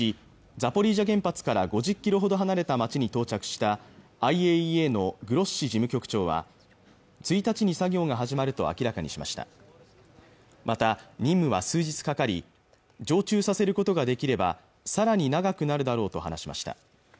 ザポリージャ原発から５０キロほど離れた町に到着したＩＡＥＡのグロッシ事務局長は１日に作業が始まると明らかにしましたまた任務は数日かかり常駐させることができればさらに長くなるだろうと話しました